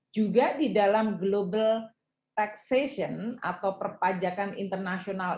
juga di dalam global taxation atau perpajakan internasional